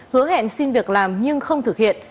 hứa hẹn xin việc làm nhưng không thực hiện